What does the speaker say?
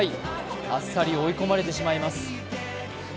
あっさり追い込まれてしまいます。